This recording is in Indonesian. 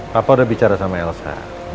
papa udah bicara sama elsa